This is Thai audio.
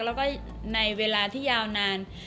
แล้วก็ในเวลาที่ยาวนาน